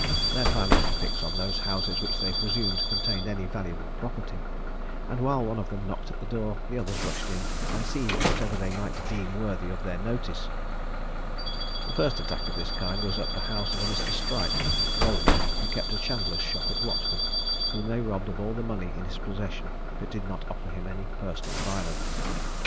Their plan was to fix on those houses which they presumed contained any valuable property; and while one of them knocked at the door, the others rushed in, and seized whatever they might deem worthy of their notice. The first attack of this kind was at the house of Mr. Strype, an old man who kept a chandler's shop at Watford, whom they robbed of all the money in his possession, but did not offer him any personal violence.